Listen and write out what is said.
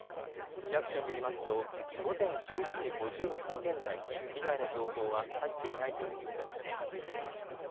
市役所によりますと午前１１時５５分現在、被害の情報は入っていないということです。